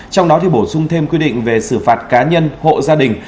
trong đó bổ sung thêm quy định về xử phạt cá nhân hộ gia đình